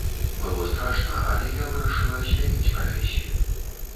Было страшна, але я вырашыла змяніць прафесію.